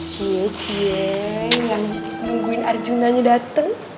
cie cie nungguin arjunanya datang